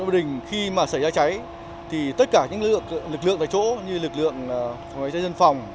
tại quận bình bình khi mà xảy ra cháy thì tất cả những lực lượng tại chỗ như lực lượng phòng cháy dân phòng